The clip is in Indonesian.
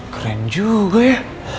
keren juga ya